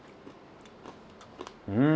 うん！